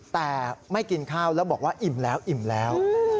แต่ไม่กินข้าวแล้วบอกว่าอิ่มแล้วอิ่มแล้ว